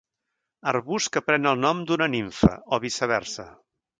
Arbust que pren el nom d'una nimfa, o viceversa.